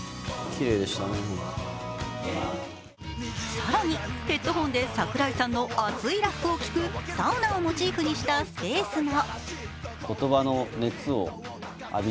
更にヘッドホンで櫻井さんの熱いラップを聴くサウナをモチーフにしたスペースも。